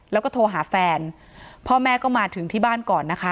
แล้วก็โทรหาแฟนพ่อแม่ก็มาถึงที่บ้านก่อนนะคะ